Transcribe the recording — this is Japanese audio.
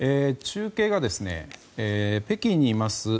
中継が北京にいます